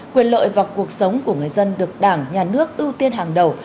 quyền lợi và cuộc sống của người dân được đảng nhà nước ưu tiên hàng đầu